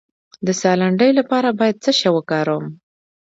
د ساه لنډۍ لپاره باید څه شی وکاروم؟